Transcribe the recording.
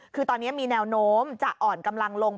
คือตอนนี้มีแนวโน้มจะอ่อนกำลังลง